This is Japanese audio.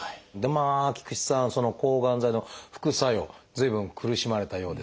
菊池さんその抗がん剤の副作用随分苦しまれたようですね。